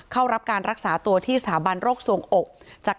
เข้ารับการรักษาตัวที่สถาบันโรคสวงอก